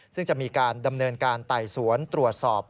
ซึ่งจะมีการดำเนินการไต่สวนตรวจสอบ